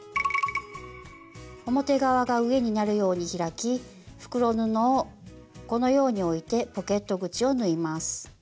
表側が上になるように開き袋布をこのように置いてポケット口を縫います。